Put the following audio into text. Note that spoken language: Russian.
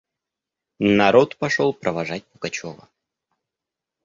Народ пошел провожать Пугачева.